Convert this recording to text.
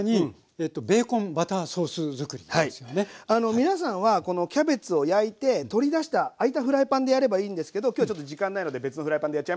皆さんはキャベツを焼いて取り出した空いたフライパンでやればいいんですけど今日ちょっと時間ないので別のフライパンでやっちゃいます。